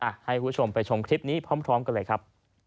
ให้คุณผู้ชมไปชมคลิปนี้พร้อมกันเลยครับ